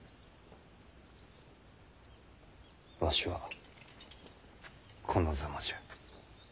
わしはこのざまじゃ。